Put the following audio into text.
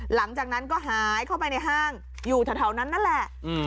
หลังจากนั้นก็หายเข้าไปในห้างอยู่แถวนั้นนั่นแหละ